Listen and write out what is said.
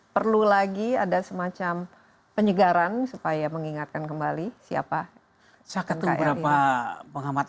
perlu lagi ada semacam penyegaran supaya mengingatkan kembali siapa caket berapa pengamat